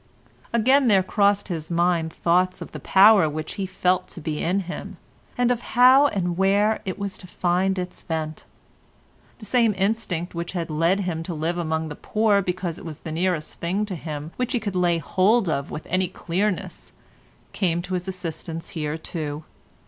Again there crossed his mind thoughts of the power which he felt to be in him, and of how and where it was to find its vent. The same instinct which had led him to live among the poor because it was the nearest thing to him which he could lay hold of with any clearness came to his assistance here too.